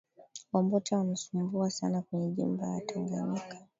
Wambote wana sumbua sana kwenye jimbo ya tanganyika